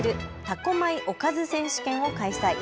多古米おかず選手権を開催。